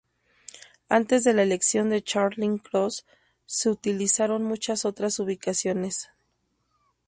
Antes de la elección de Charing Cross se utilizaron muchas otras ubicaciones.